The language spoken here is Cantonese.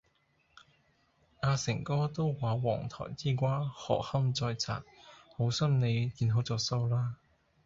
阿誠哥都話黃台之瓜何堪再摘，好心妳見好就收啦。